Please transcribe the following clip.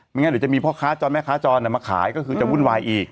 งั้นเดี๋ยวจะมีพ่อค้าจรแม่ค้าจรมาขายก็คือจะวุ่นวายอีก